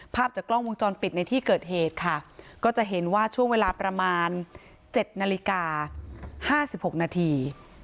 ภาพจากกล้องวงจรปิดในที่เกิดเหตุค่ะก็จะเห็นว่าช่วงเวลาประมาณ๗นาฬิกา๕๖นาที